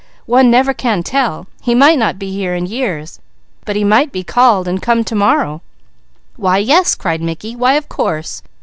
"One never can tell. He might not be here in years, but he might be called, and come, to morrow." "Why yes!" cried Mickey. "Why of course!